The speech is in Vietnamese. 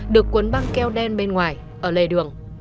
được cuốn băng keo đen bên ngoài ở lề đường